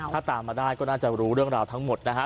ถ้าตามมาได้ก็น่าจะรู้เรื่องราวทั้งหมดนะฮะ